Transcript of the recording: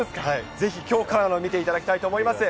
ぜひ、きょうからの見ていただきたいと思います。